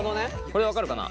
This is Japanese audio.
これ分かるかな？